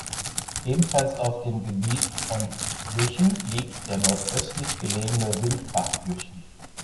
Ebenfalls auf dem Gebiet von Jüchen liegt der nordöstlich gelegene Windpark Jüchen.